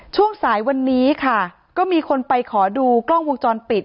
ช่วงสายวันนี้ค่ะก็มีคนไปขอดูกล้องวงจรปิด